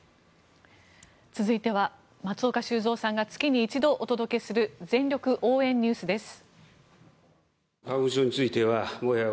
続いては、松岡修造さんが月に一度お届けする全力応援Ｎｅｗｓです。